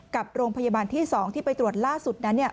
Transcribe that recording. กับโรงพยาบาลที่๒ที่ไปตรวจล่าสุดนั้น